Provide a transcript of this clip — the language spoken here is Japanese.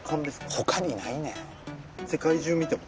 他にないねん世界中見ても？